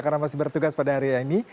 karena masih bertugas pada hari ini